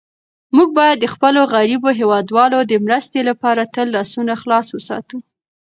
موږ باید د خپلو غریبو هېوادوالو د مرستې لپاره تل لاسونه خلاص وساتو.